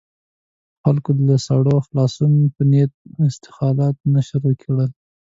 خلکو له ساړه د خلاصون په نيت اسخولاتونه شروع کړل.